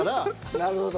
なるほど。